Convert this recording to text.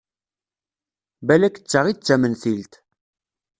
Balak d ta i tamentilt.